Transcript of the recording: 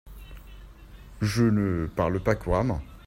Je ne parle pas couramment.